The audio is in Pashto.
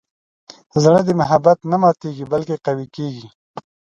زړه د محبت نه ماتیږي، بلکې قوي کېږي.